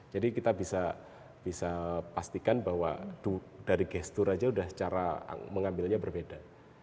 jadi kita bisa pastikan bahwa dari gestur saja sudah secara mengambilnya berbeda